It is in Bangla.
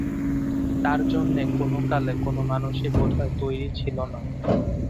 তার জন্যে কোনোকালে কোনো মানুষই বোধহয় তৈরি ছিল না।